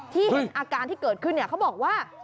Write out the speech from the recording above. ที่เห็นอาการที่เกิดขึ้นเขาบอกว่า